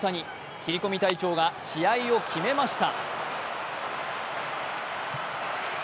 切り込み隊長が試合を決めました。